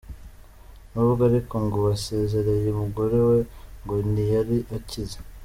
Nubwo ariko ngo basezereye umugore we, ngo ntiyari akize.